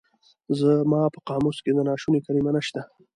زما په قاموس کې د ناشوني کلمه نشته.